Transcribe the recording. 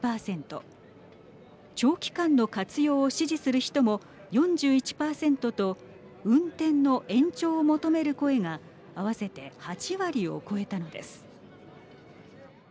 長期間の活用を支持する人も４１％と運転の延長を求める声が合わせて８割を超えたのです。